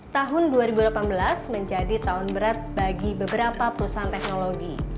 tahun dua ribu delapan belas menjadi tahun berat bagi beberapa perusahaan teknologi